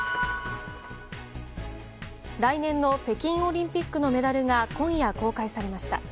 来年の北京オリンピックのメダルが今夜公開されました。